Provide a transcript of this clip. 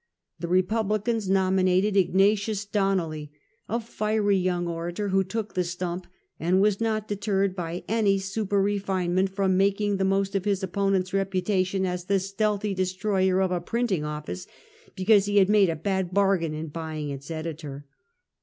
The Republicans nominated Ignatius Donnelly, a fiery young orator, who took the stump, and was not de terred by any su23er refinement from making the most of his opponent's reputation as the stealthy destroyer of a printing office, because he had made a bad bar gain in buying its editor.